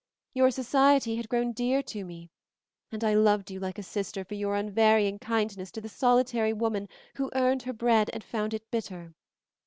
Your society had grown dear to me, and I loved you like a sister for your unvarying kindness to the solitary woman who earned her bread and found it bitter.